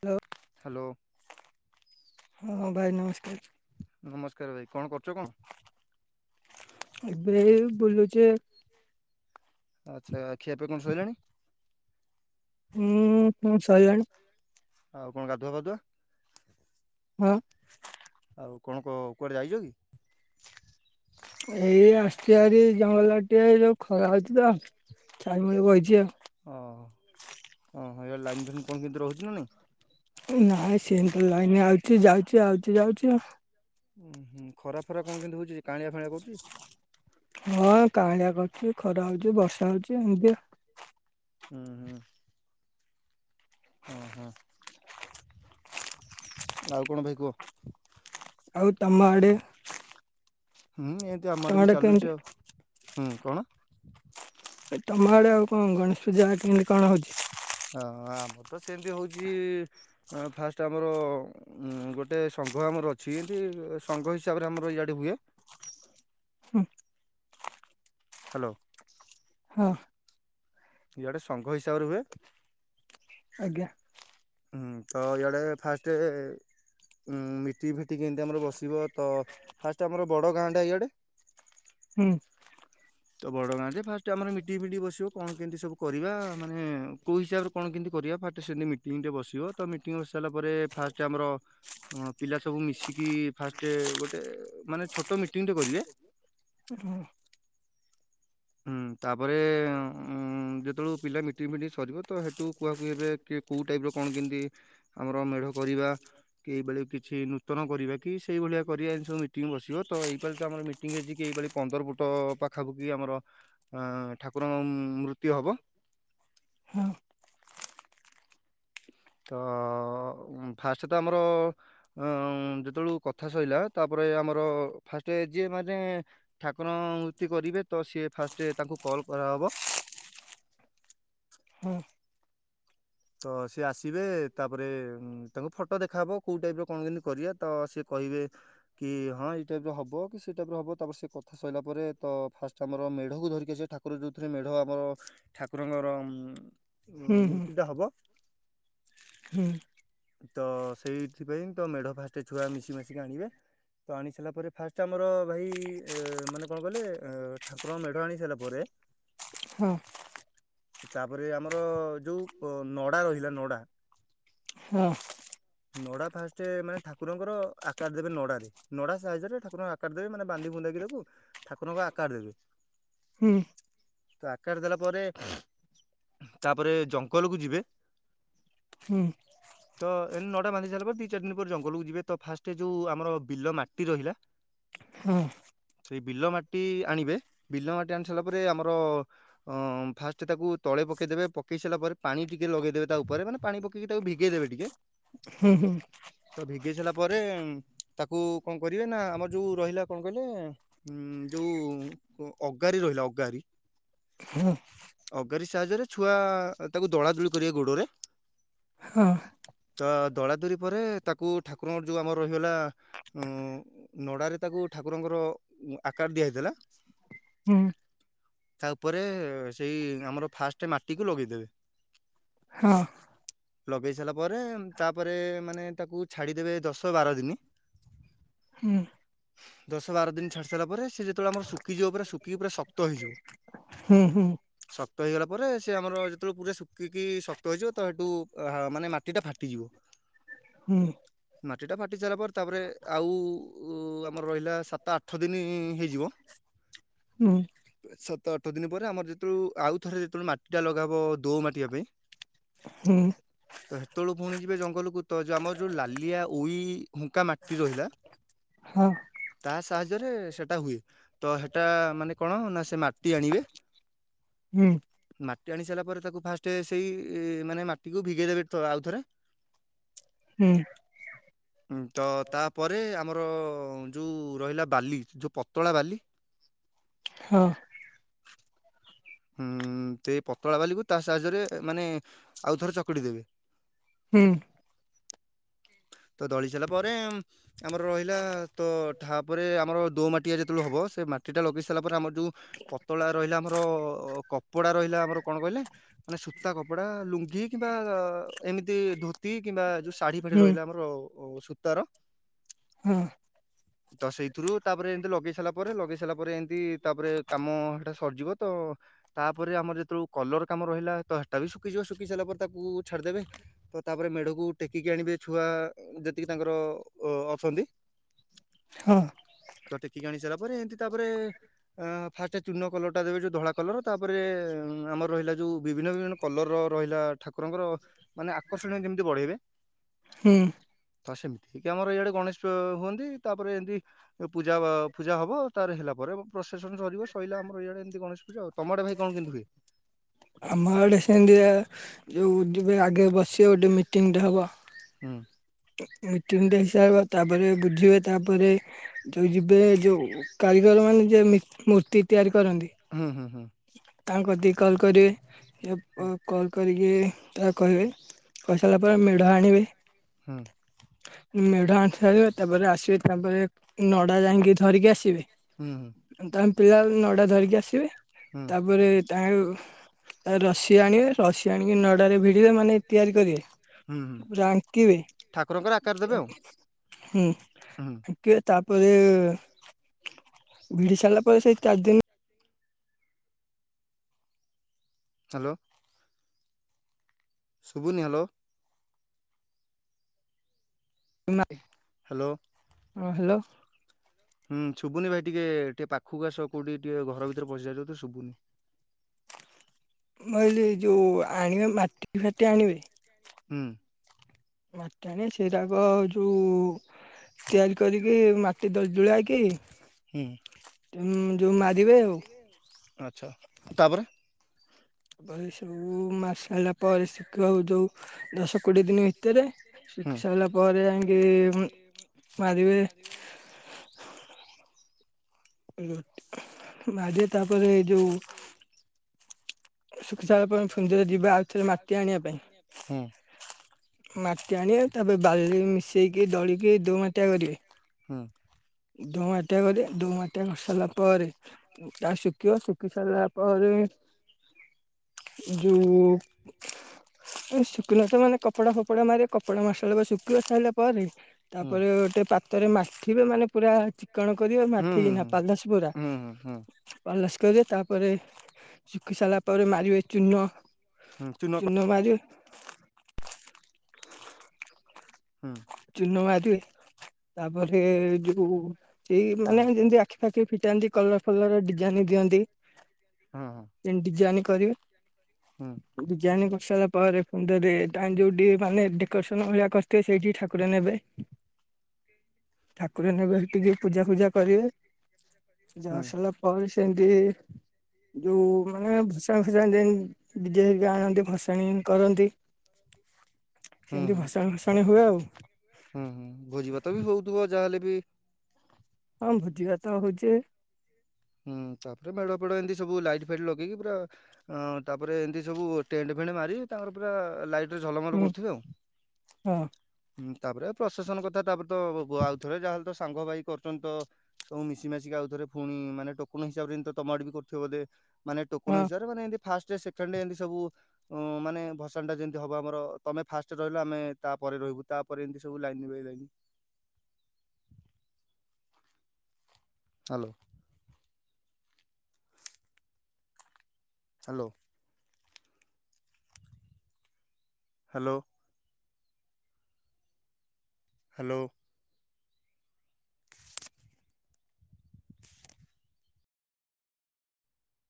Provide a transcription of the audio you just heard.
ତ ହାଲୋ। ହଁ ଭାଇ ନମସ୍କାର। ନମସ୍କାର ଭାଇ। କଣ କରୁଛ କଣ? ଏବେ ଏଇ ବୁଲୁଚି। ଆଚ୍ଛା ଖିଆ ପିଆ କଣ ଶଇଲାଣି? ହୁଁ ହୁଁ, ସଇଲାଣି। ଆଉ କଣ ଗାଧୁଆ ବାଧୁଆ? ହଁ। ଆଉ କଣ କ କୁଆଡ଼େ ଯାଇଛ କି? ଏଇ ଆସିଚି ହାରି ଜଙ୍ଗଲ ଆଡ଼େ ଟିକେ ଏଇ ଯୋଉ ଖରା ହୋଉଛି ତ। ଛାଇ ମୂଳେ ବଇଚି ଆଉ। ଓହୋ। ଏଇ ଲାଇନ୍, ଫାଇନ୍ କଣ କେମିତି ରହୁଛି ନା ନାଇଁ? ନାଇଁ ସେମିତି ଲାଇନ୍ ଆଉଛି ଯାଉଛି, ଆଉଛି ଯାଉଛି ଆଉ। ଉଁ ହୁ। ଖରା ଫରା କଣ କେମତି ହଉଛି? କଅଁଳିଆ, ଫାଅଁଳିଆ କହୁଛି? ହଁ କାଁଳିଆ କରୁଛି ଖରା ହଉଛି ବର୍ଷା ହଉଛି ଏମିତିଆ। ହୁଁ ହୁଁ। ଓହୋ। ଆଉ କଣ ଭାଇ କୁହ? ଆଉ ତମ ଆଡ଼େ? ହୁଁ ଏମିତି ଆମ ତମ ଆଡ଼େ ବି ଆଡେ କେମିତି ଚାଲୁଛି ଆଉ। ହୁଁ କଣ? ଏ ତମ ଆଡେ ଆଉ କଣ ଗଣେଶ ପୂଜା କେମିତି କଣ ହଉଛି? ହଁ ଆମର ତ ସେମିତି ହଉଛି ଫାଷ୍ଟ ଆମର ଗୋଟେ ସଂଘ ଆମର ଅଛି। ଏମିତି ସଂଘ ହିସାବରେ ଆମର ଇଆଡ଼େ ହୁଏ। ହୁଁ ହାଲୋ। ହଁ। ଇଆଡେ ସଙ୍ଘ ହିସାବରେ ହୁଏ। ଆଜ୍ଞା। ହୁଁ ତ ଇଆଡେ ଫାଷ୍ଟ ମିଟିଙ୍ଗ୍ ଫିଟିଙ୍ଗ ଏମିତି ଆମର ବସିବ ତ ଫାଷ୍ଟ ଆମର ବଡ଼ ଗାଁ ଟା ଇଆଡ଼େ ହୁଁ। ତ ବଡ ଗାଁରେ ଫାଷ୍ଟ ଆମର ମିଟି ଫିଟି ବସିବ କଣ କେମିତି ସବୁ କରିବା ମାନେ କୋଉ ହିସାବରେ? କଣ କେମିତି କରିବା ଫାଷ୍ଟ ସେମିତି ମିଟିଂଟେ ବସିବ ତ ମିଟିଂ ବସିସାରିଲା ପରେ ଫାଷ୍ଟ ଆମର ହଁ ପିଲା ସବୁ ମିଶିକି ଫାଷ୍ଟ ଗୋଟେ ମାନେ ଛୋଟ ମିଟିଂ ଟେ କରିବେ ହଁ। ହୁଁ ତାପରେ ଉଁ ହୁ ଯେତେବେଳକୁ ପିଲା ମିଟିଂ ଫିଟିଙ୍ଗ ସରଯିବ ତ ସେଠୁ କୁହାକୁହି ହେବେ କି କେଉଁ ଟାଇପର କଣ କେମିତି ଆମର ମେଢ କରିବା। ଏଇବେଲେ କିଛି ନୂତନ କରିବା କି ସେଇ ଭଳିଆ କରିବା ଏମ ସବୁ ମିଟିଂ ବସିବ ତ ଏଇପା ତ ଆମର ମିଟି ମିଟିଙ୍ଗ ହେଇଛି କି ଭଳି ପନ୍ଦର ଫୁଟ ପାଖାପାଖି ଆମର ଆଁ ଠାକୁରଙ୍କ ମୃତି ହବ। ହଁ ତ ଫାଷ୍ଟ ତ ଆମର ଆଁ ଯେତେବେଳ କଥା ସରିଲା ତାପରେ ଆମର ଫାଷ୍ଟ ଯିଏ ମାନେ ଠାକୁରଙ୍କ ମୂର୍ତ୍ତି କରିବେ ତ ସିଏ ଫାଷ୍ଟ ତାଙ୍କୁ କଲ୍ କରାହବ। ହଁ ତ ସିଏ ଆସିବେ ତାପରେ ତାଙ୍କୁ ଫଟୋ ଦେଖାହବ କୋଉ ଟାଇପର କଣ ଯେମିତି କରିବା ତ ସିଏ କହିବେ କି ହଁ ଏଇ ଟାଇପର ହବ କି ସେ ଟାଇପର ହବ ତାପରେ ସେ କଥା ସଇଲା ପରେ ତ ଫାଷ୍ଟ ଆମର ମେଢକୁ ଧରିକି ସେ ଠାକୁର ଯେଉଥିରେ ମେଢ ହବ ଠାକୁରଙ୍କର ହୁଁ ହୁଁ ମୂର୍ତ୍ତିଟା ହବ ହୁଁ ତ ସେଇଥିପାଇଁ ତ ମେଢ ଫାଷ୍ଟ ଛୁଆ ମିଶି ମାଶିକି ଆଣିବେ। ତ ଆଣି ସାରିଲା ପରେ ଫାଷ୍ଟ ଆମର ଭାଇ ମାନେ କଣ କଲେ ଠାକୁର ମେଢ଼ ଆଣି ସାରିଲା ପରେ ହଁ ତାପରେ ଆମର ଯୋଉ ନଡା ରହିଲା ନଡା ହଁ। ନଡ଼ା ଫାଷ୍ଟ ମାନେ ଠାକୁରଙ୍କର ଆକାର ଦେବେ ନଡ଼ାରେ। ନଡା ସାହାଯ୍ୟରେ ଠାକୁରଙ୍କ ଆକାର ଦେବେ ମାନେ ବାନ୍ଧିବୁନ୍ଧାକି ତାକୁ ଠାକୁରଙ୍କ ଆକାର ଦେବେ। ହୁଁ ତ ଆକାର ଦେଲା ପରେ ତାପରେ ଜଙ୍ଗଲକୁ ଯିବେ ହୁଁ। ତ ଏ ନଡା ବାନ୍ଧି ସାରିଲା ପରେ ଦି ଚାରି ଦିନ ପରେ ଜଙ୍ଗଲକୁ ଯିବେ ତ ଫାଷ୍ଟ ଯୋଉ ଆମର ବିଲ ମାଟି ରହିଲା ହଁ ସେଇ ବିଲ ମାଟି ଆଣିବେ ବିଲ ମାଟି ଆଣିସାରିଲା ପରେ ଆମର ହଁ ଫା ସେ ତାକୁ ତଳେପକେଇଦେବେ ପକେଇ ସାରିଲା ପରେ ପାଣି ଟିକେ ଲଗେଇଦେବେ ତା ଉପରେ ମାନେ ପାଣି ପକେଇକି ତାକୁ ଭିଗେଇ ଦେବେ ଟିକେ ହୁଁ ହୁଁ। ତ ଭିଗେଇ ସାରିଲା ପରେ ତାକୁ କଣ କରିବେ ନା ଆମର ଯୋଉ ରହିଲା କଣ କହିଲେ? ଉଁ ଯୋଉ ଅଗାରି ରହିଲା ଅଗାରି ହଁ ଅଗାରି ସାହାଯ୍ୟରେ ଛୁଆ ତାକୁ ଦଳାଦଳି କରିବେ ଗୋଡରେ ହଁ ତ ଦଳାଦୁରି ପରେ ତାକୁ ଠାକୁରଙ୍କର ଯୋଉ ଆମର ରହିଗଲା ଉଁ ନଡାରେ ତାକୁ ଠାକୁରଙ୍କର ଆକାର ଦିଆ ହେଇଥିଲା। ହୁଁ ତା ଉପରେ ସେଇ ଆମର ଫାଷ୍ଟ ମାଟିକୁ ଲଗେଇଦେବେ। ହଁ। ଲଗେଇ ସାରିଲା ପରେ ତାପରେ ମାନେ ତାକୁ ଛାଡିଦେବେ ଦଶ ବାର ଦିନ ହୁଁ ଦଶ ବାର ଦିନ ଚ୍ଛାଡି ସାରିଲା ପରେ ସେ ଯେତେବେଳେ ଆମର ଶୁିଖିଯିବ ପା ଶୁଖି ପୁରା ଶକ୍ତ ହେଇଯିବ। ହୁଁ ହୁଁ। ଶକ୍ତ ହେଇଗଲା ପରେ ସେ ଆମର ଯେତେବେଳେ ପୁରା ଶୁଖିକି ଶକ୍ତ ହୋଇଇଯିବ ତ ସେଠୁ ମାନେ ମାଟିଟା ଫାଟିଯିବ। [inaudible] ହୁଁ। ମାଟିଟା ଫାଟି ସାରିଲା ପରେ ତାପରେ ଆଉ ଆମର ରହିଲା ସାତ ଆଠ ଦିନି ହେଇଯିବ। ହୁଁ ସାତ ଆଠ ଦିନି ପରେ ଆମର ଯ ଉ ଆଉ ଥରେ ଯେତେବେଳେ ମାଟି ଟା ଲଗାବ ଦୋମାଟିଆ ପାଇଁ ହୁଁ। ତ ହେତେବେଳୁ ପୁଣି ଯିବେ ଜଙ୍ଗଲକୁ ତ ଯ ଆମର ଯୋଉ ଲାଲିଆ ଉଇ ହୁଙ୍କା ମାଟି ରହିଲା ହଁ ତା ସାହାଯ୍ୟରେ ସେଟା ହୁଏ ତ ହେଟା ମାନେ କଣ ନା ସେ ମାଟି ଆଣିବେ ହୁଁ ମାଟି ଆଣି ସାରିଲା ପରେ ତାକୁ ଫାଷ୍ଟ ସେଇ ମାନେ ମାଟିକୁ ଭିଗେଇ ଦେବେ ଆଉଥରେ। ହୁଁ। ତ ତାପରେ ଆମର ଯଉ ରହିଲା ବାଲି ଯଉ ପତଳା ବାଲି ହଁ ହୁଁ ତେଇ ପତଳା ବାଲିକୁ ତା ସାହାଯ୍ୟରେ ମାନେ ଆଉ ଥରେ ଚକଟି ଦେବେ। ହୁଁ ତ ଦଳି ସାଇଲା ପରେ ଉମ ଆମର ରହିଲା ତ ଠାପରେ ଆମର ଦୋମାଟିଆ ଯେତେବେଳକୁ ହବ ସେ ମାଟିଟା ଲଗେଇ ସାରିଲା ପରେ ଆମର ଯଉ ପତଳା ରହିଲା ଆମର କପଡ଼ା ରହିଲା ଆମର କଣ କହିଲେ ମାନେ ସୂତା କପଡ଼ା ଲୁଙ୍ଗି କିମ୍ବା ଏମିତି ଧୋତି କିମ୍ବା ଯୋଉ ଶା ଫାଡ଼ି ହୁଁ ରହିଲା ଆମର ସୁତାର ହଁ ତ ସେଇଥିରୁ ତାପରେ ଏମିତି ଲଗେଇ ସାଇଲା ପରେ ଲଗେଇ ସାଇଲା ପରେ ଏମିତି ତାପରେ କାମ ହେଟା ସରିଯିବ ତ ତାପରେ ଆମର ଯେତେବେଳୁ କଲର କାମ ରହିଲା ତ ହେଟା ବି ଶୁଖିଯିବ ଶୁଖି ସାରିଲା ପରେ ତାକୁ ଛାଡ଼ିଦେବେ। ତ ତାପରେ ମେଢ଼କୁ ଟେକିକି ଆଣିବେ ଛୁଆ ଯେତିକି ତାଙ୍କର ଅ ଅଛନ୍ତି। ହଁ ତ ଟେକିକି ଆଣି ସାରିଲା ପରେ ଏମିତି ତାପରେ ଆ ଫାଷ୍ଟ ଚୂନ କଲରଟା ଦେବେ ଯୋଉ ଧଳା କଲର ତାପରେ ଆମର ରହିଲା ଯୋଉ ବିଭିନ୍ନ ବିଭିନ୍ନ କଲର ରହିଲା ଠାକୁରଙ୍କର ମାନେ ଆକର୍ଷଣୀୟ ଯେମିତି ବଢ଼େଇବେ। ହୁଁ ତ ସେମିତି କେ ଆମର ଇଆଡ଼େ ଗଣେଶ ପ ହୁଅନ୍ତି ତାପରେ ଏନ୍ତି ଏ ପୂଜା ବା ଫୁଜା ହବ ତାର ହେଲା ପରେ ପ୍ରସେସନ ସରିବ ସଇଲା ଆମର ଇଆଡ଼େ ଏମିତି ଗଣେଶ ପୂଜା ଆଉ। ତମ ଆଡ଼େ ଭାଇ କଣ କେମିତି ହୁଏ? ଆମ ଆଡ଼େ ସେମିତିଆ ଯୋଉ ଯିବେ ଆଗେ ବସିବେ ଗୋଟେ ମିଟିଂଟେ ହବ। ହୁଁ। ମିଟିଙ୍ଗ ଟେ ହେଇସାଇଲେ ପ ତାପରେ ବୁଝିବେ ତାପରେ ଯୋଉ ଯିବେ ଯୋଉ କାରିଗର ମାନେ ଯିଏ ମି ମୂର୍ତ୍ତି ତିଆରି କରନ୍ତି। ହୁଁ ହୁଁ ହୁଁ। ତାଙ୍କ ଦି କଲ୍ କରିବେ [unintelligible] କରିକି ତାକୁ କହିବେ କହିସାରିଲା ପରେ ମେଢ଼ ଆଣିବେ। ହୁଁ। ମେଢ଼ ଆଣି ସାରିବେ ତାପରେ ଆସିବେ ତାପରେ ନଡ଼ା ଯାଇଙ୍କି ଧରିକି ଆସିବେ। ହୁଁ ହୁଁ। ତାଙ୍କ୍ ପିଳା ନଡ଼ା ଧରିକି ଆସିବେ। ହୁଁ ତାପରେ ତାରୁ ତା ରସି ଆଣିବେ ରସି ଆଣିକି ନ ଡ଼ାରେ ଭିଡ଼ିବେ ମାନେ ତିଆରି ହୁଁ ହୁଁ କରିବେ ରାଙ୍କିବେ ଠାକୁରଙ୍କର ଆକାର ଦେବେ ଆଉ ହୁଁ ହୁଁ କେ ତାପରେ ଭିଡ଼ି ସାରିଲା ପରେ ସେଇ ଚାରି ଦିନି ହ୍ୟାଲୋ। ଶୁଭୁନି ହ୍ୟାଲୋ। ନା ହ୍ୟାଲୋ। ହଁ ହ୍ୟାଲୋ। ହୁଁ ସୁବୁନି ଭାଇ ଟିକେ ଟିକେ ପାଖକୁ ଆସ କୋଉଠି ଟିକେ ଘର ଭିତରେ ପଶିଯାଇଚ ତ ଶୁବୁନି। ମୁଁ କହିଲି ଯୋଉ ଆଣିବେ ମାଟି ଫାଟି ଆଣିବେ। ହୁଁ। ମାଟି ଆଣ ସେରାକ ଯୋଉ ତିଆରି କରିକି ମାଟି ଦଳି ଦୁଳାକି ହୁଁ ମାରିବେ ଆଉ ଆଛା ତାପରେ ପାଣି ସବୁ ମାରି ସାରିଲା ପରେ ଶୀଘ୍ର ହ ଯୋଉ ଦଶ କୋଡ଼ିଏ ଦିନ ଭିତରେ ହୁଁ ଶୁଖି ସାରିଲା ପରେ ଯାଇକି ଉ ମାରିବେ ଉ ମାରିବେ ତାପରେଏ ଯୋଉ ଶୁଖି ସାରିଲା ପରେ ପୁଣି ଥରେ ଯିବେ ଆଉ ଥରେ ମାଟି ଆଣିବା ପାଇଁ ହୁ ମାଟି ଆଣିବେ ତାପରେ ବାଲି ମିଶେଇକି ଦଳିକି ଦୋ ମାଟିଆ କରିବେ ହଁ। ଦୋ ମାଟିଆ କରେ ଡୋମାଟିଆ କରିସାରିଲା ପରେ। ତା ଶିଖିବ ଶିଖି ସାରିଲା ପରେ। ଯଉଁ। ଏ ଶୁଖିଲା ସମାନେ କପଡା ଫପଡା ମାରିକେ କପଡା ମାସେଲା ପରେ ଶୁଖିବ ସାରିଲା ପରେ। ହୁଁ ତାପରେ ଗୋଟେ ପାତରେ ମାଠିବେ ମାନେ ପୁରା। କଣ କରିବେ ହୁଁ ହୁଁ ମାଠିକିନା ହୁଁ ପାଲାସ ପୁରା। ହୁଁ ହୁଁ ହୁଁ ପାଲାସ କରିବେ ତାପରେ ଶୁଖି ସାରିଲା ପରେ ମାରିବେ ଚୂନ। ହୁଁ ଚୂନ କ- ଚୁନ ମାରିବେ। ହୁଁ। ଚୁନ ମାରିବେ ତାପରେ ଯୋଉ ସେଇ ହଁ ମାନେ ଯେମତି। ଆଖି ପାଖି ଫିଟାନ୍ତି କଲର ଫଲର ଡିଜାଇନ ଦିଅନ୍ତି। ହଁ ହଁ। ଏମି ଡିଜାଇନ୍ କରିବେ। ହୁଁ। ଡିଜାଇନ କରିସାରିଲା ପରେ ଫୁନ୍ଦରେ ଟାମ୍ ଯୋଉଠି ମାନେ ଡେକୋରେସନ ଭଳିଆ କରିିଥିବେ ସେଇଠି ଠା ଠାକୁର ନେବେ ଠାକୁର ନେବେ ସେ ଟିକି ପୂଜା ଫୂଜା କରିବେ। ହୁଁ ଜଷଲା ପରେ ସେ ଏଡିି। ଯୋଉଁ ମାନେ ଫସାଣ ଫସାଣି ଯେମିତି ଡି ଜେ ହେରୀକା ଆଣନ୍ତି ଭସାଣି କରନ୍ତି। ହ। [unintelligible] ସେମତି ଭସାଣ ଫସାଣି ହୁଏ ଆଉ। ହୁଁ ହୁଁ ଭୋଜି ଭାତ ବି ହଉଥିବ ଯାହେଲେ ବି। ହଁ ଭୋଜିିଭାତ ହଉଛେ। ହୁଁ ତାପରେ ମେଢ଼ ଫେଡଏମିତି ସବୁ ଲାଇଟ ଫାଇଟ୍ ଲଗେଇକି ପୁରା। ଅ ତାପରେ ଏମିତି ସବୁ ଟେଣ୍ଟ ଫେଣ୍ଟ ମାରି ତାଙ୍କର ପୁରା ଲାଇଟ। ଝଲମଲ କରୁଥିବେ ଆଉ ହଁ ହୁ ତାପରେ ପ୍ରଶସନ କଥା ତାପରେ। ତ ବ ବ ଆଉଥରେ ଯାହାହେଲେ ତ ସାଙ୍ଗ ଭାଇ କରୁଛନ୍ତି ତ ସବୁ ମିଶି ମାଶିକି ଆଉଥରେ ଫୁଣି ମାନେ। ଟୋକନ ହିସାବରେମି ତମଡ ବି କରୁଥିବ ବୋ ମାନେ ଟୋକନ ହଁ ହିସାବରେ ମାନେ ଏମିତି ଫାଷ୍ଟ ସେକେଣ୍ଡ ଏମିତି ସବୁ। ଅ ମାନେ ଭସାଣ ଟା ଯେମିତି ହବ ଆମର ତମେ ଫାଷ୍ଟ ରହିଲ ଆମେ ତାପରେ ରହିବୁ ତାପରେ ଏମିତି ସବୁ line by line. Hello. Hello. Hello. Hello.